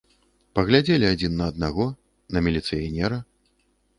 Паглядзелі адзін на аднаго, на міліцыянера.